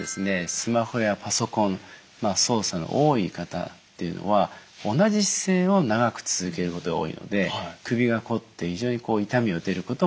スマホやパソコン操作の多い方っていうのは同じ姿勢を長く続けることが多いので首がこって非常に痛みが出ることもあるんですね。